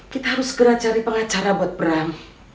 kita harus segera cari pengacara buat perang